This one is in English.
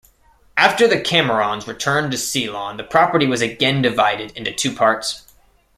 After the Camerons returned to Ceylon the property was again divided into two parts.